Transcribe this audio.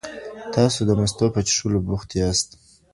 تاسو د مستو په څښلو بوخت یاست.